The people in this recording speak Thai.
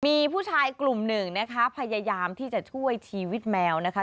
มีผู้ชายกลุ่มหนึ่งนะคะพยายามที่จะช่วยชีวิตแมวนะคะ